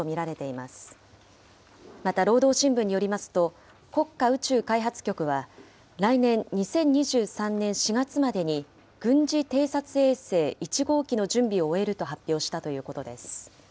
また労働新聞によりますと、国家宇宙開発局は、来年２０２３年４月までに、軍事偵察衛星１号機の準備を終えると発表したということです。